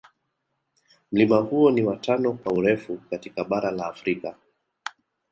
Mlima huo ni wa tano kwa urefu katika bara la Afrika